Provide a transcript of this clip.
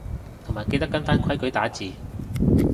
同埋記得跟返規矩打字